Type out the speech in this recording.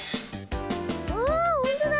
あほんとだ！